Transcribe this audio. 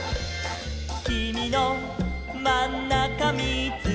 「きみのまんなかみーつけた」